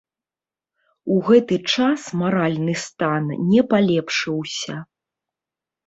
У гэты час маральны стан не палепшыўся.